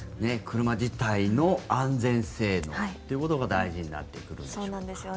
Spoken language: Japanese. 車自体の安全性能ということが大事になってくるんでしょうか。